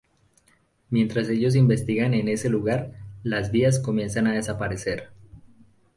Mientras ellos investigan en ese lugar, las vías comienzan a desaparecer.